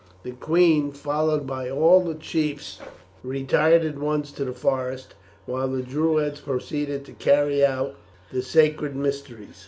The queen, followed by all the chiefs, retired at once to the forest, while the Druids proceeded to carry out the sacred mysteries.